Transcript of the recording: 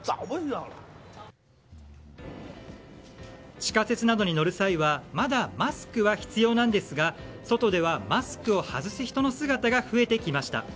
地下鉄などに乗る際はまだマスクは必要なんですが外ではマスクを外す人の姿が増えてきました。